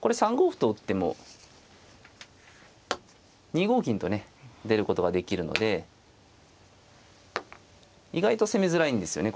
これ３五歩と打っても２五銀とね出ることができるので意外と攻めづらいんですよね